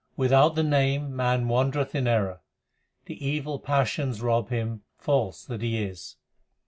Without the Name man wandereth in error ; the evil passions x rob him, false that he is.